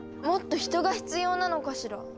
もっと人が必要なのかしら？